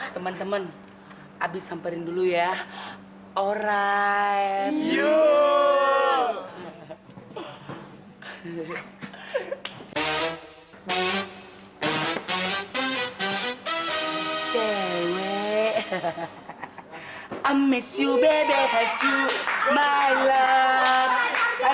teman teman abis samperin dulu ya teman teman teman teman abis sampai dulu ya teman teman abis sampai dulu ya